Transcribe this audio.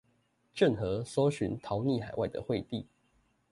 鄭和搜尋逃匿海外的惠帝